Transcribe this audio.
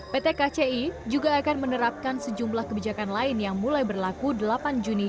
pt kci juga akan menerapkan sejumlah kebijakan lain yang mulai berlaku delapan juni dua ribu dua puluh